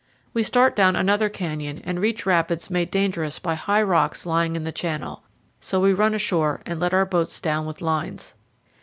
We start down another canyon and reach rapids made dangerous by high rocks lying in the channel; so we run ashore and let our boats down with lines.